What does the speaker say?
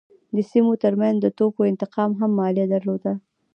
د سیمو ترمنځ د توکو انتقال هم مالیه درلوده.